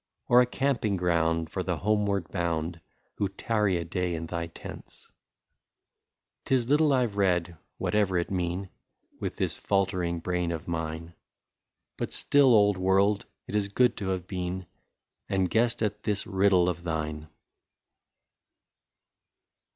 Or a camping ground for the homeward bound. Who tarry a day in thy tents — *T is little I Ve read — whatever it mean — With this faltering brain of mine ; But still, old world, it is good to have been. And guessed at this riddle of thine.